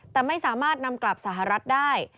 แต่ไม่สามารถนำกลับสหรัฐได้